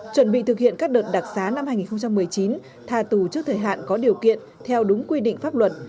chuẩn bị thực hiện các đợt đặc xá năm hai nghìn một mươi chín tha tù trước thời hạn có điều kiện theo đúng quy định pháp luật